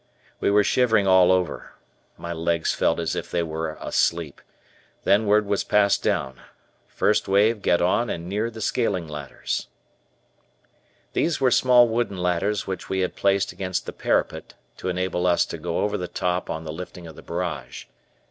We were shivering all over. My legs felt as if they were asleep. Then word was passed down: "First wave get on and near the scaling ladders." These were small wooden ladders which we had placed against the parapet to enable us to go over the top on the lifting of the barrage.